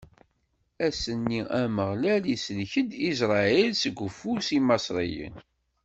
Ass-nni, Ameɣlal isellek-d Isṛayil seg ufus n Imaṣriyen.